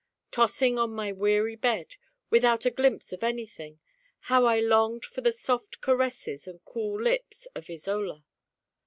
Tossing on my weary bed, without a glimpse of anything, how I longed for the soft caresses and cool lips of Isola!